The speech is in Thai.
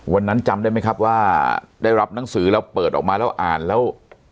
วันนั้นจำได้ไหมครับว่าได้รับหนังสือแล้วเปิดออกมาแล้วอ่านแล้ว